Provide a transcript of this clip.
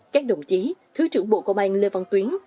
các đồng chí thứ trưởng bộ công an lê văn tuyến